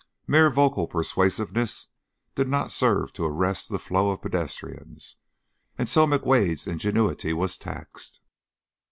Mere vocal persuasiveness did not serve to arrest the flow of pedestrians, and so McWade's ingenuity was taxed.